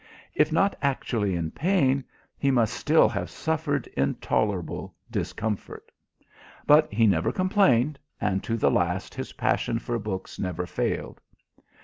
If not actually in pain, he must still have suffered intolerable discomfort. But he never complained, and to the last his passion for books never failed.